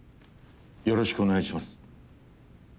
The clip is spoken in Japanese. よろしくお願いします。